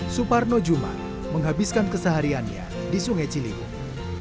suparno jumat menghabiskan kesehariannya di sungai ciliwung